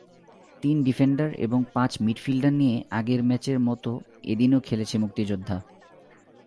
তিন ডিফেন্ডার এবং পাঁচ মিডফিল্ডার নিয়ে আগের ম্যাচের মতো এদিনও খেলেছে মুক্তিযোদ্ধা।